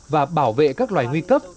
và bảo vệ các loài nguy cấp